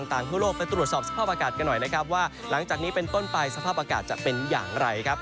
ทั่วโลกไปตรวจสอบสภาพอากาศกันหน่อยนะครับว่าหลังจากนี้เป็นต้นไปสภาพอากาศจะเป็นอย่างไรครับ